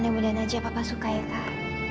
mudah mudahan aja papa suka ya kak